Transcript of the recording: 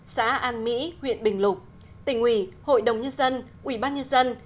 xã an mỹ huyện bình lục tỉnh ủy hội đồng nhân dân ủy ban nhân dân